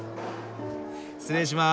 失礼します。